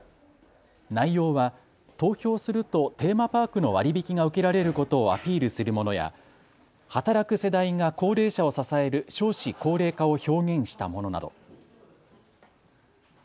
内容は投票するとテーマパークの割り引きが受けられることをアピールするものや、働く世代が高齢者を支える少子高齢化を表現したものなど。